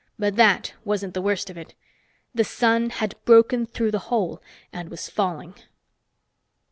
But that wasn't the worst of it. The sun had broken through the hole and was falling!